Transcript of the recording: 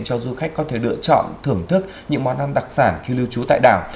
cho du khách có thể lựa chọn thưởng thức những món ăn đặc sản khi lưu trú tại đảo